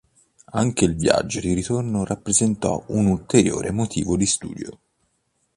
Anche il viaggio di ritorno rappresentò un ulteriore motivo di studio.